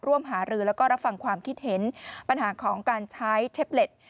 หารือแล้วก็รับฟังความคิดเห็นปัญหาของการใช้เทปเล็ต